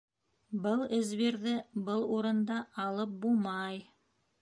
Был эзвирҙе был урында алып бумай...